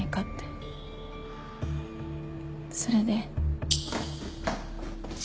それで。